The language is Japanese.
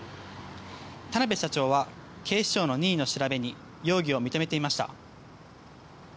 田邊社長は警視庁の任意の調べに容疑を認めていました。